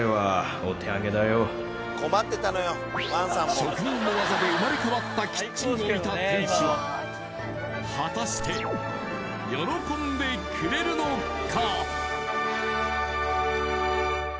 職人の技で生まれ変わったキッチンを見た店主は果たして喜んでくれるのか？